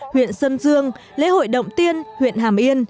huyện sơn dương lễ hội động tiên huyện hàm yên